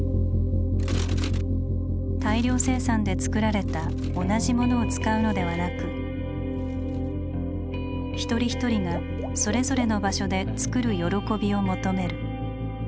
大量生産で作られた「同じもの」を使うのではなく一人一人がそれぞれの場所で「作る喜び」を求める。